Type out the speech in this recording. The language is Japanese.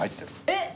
えっ！？